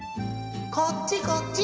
・こっちこっち！